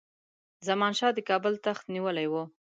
زمان شاه د کابل تخت نیولی وو.